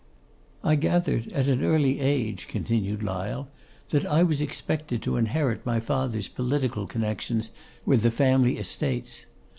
'I gathered at an early age,' continued Lyle, 'that I was expected to inherit my father's political connections with the family estates.